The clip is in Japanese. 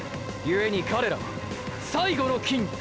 ゆえに彼らは“最後の筋肉”！！